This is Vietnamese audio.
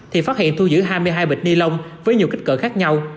thì phát hiện thu giữ hai mươi hai bịch ni lông với nhiều kích cỡ khác nhau